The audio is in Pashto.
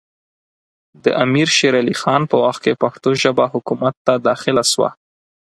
د امیر شېر علي خان په وخت کې پښتو ژبه حکومت ته داخله سوه